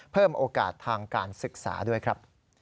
เพิ่มโอกาสทางการศึกษาด้วยครับ